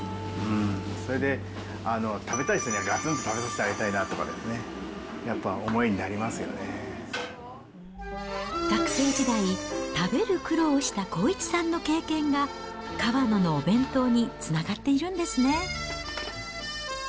それで食べたい人にはがつんと食べさせてあげたいなっていう、や学生時代、食べる苦労をした康一さんの経験が、かわののお弁当につながっているんですね。